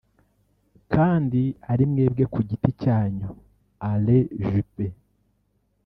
kandi ari mwebwe ku giti cyanyu ( Alain Jupé)